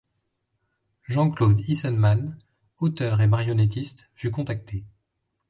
Jean-Claude Issenmann, auteur et marionnettiste, fut contacté.